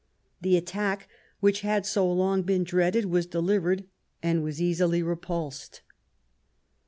The attack, which had so long been dreaded, was delivered and was easily repulsed.